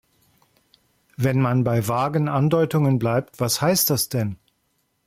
Wenn man bei vagen Andeutungen bleibt, was heißt das denn?